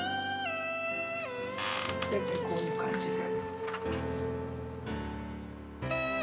大体こういう感じで。